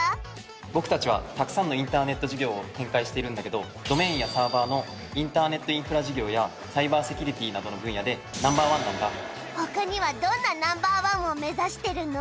僕たちはたくさんのインターネット事業を展開しているんだけどドメインやサーバーのインターネットインフラ事業やサイバーセキュリティなどの分野でナンバーワンなんだほかにはどんなナンバーワンを目指してるの？